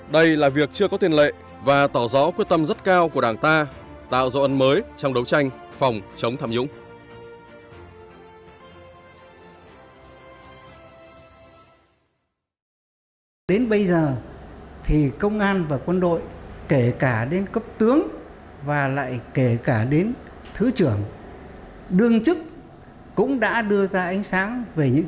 đây là việc chưa có tiền lệ và tỏ rõ quyết tâm rất cao của đảng ta tạo dấu ân mới trong đấu tranh phòng chống tham nhũng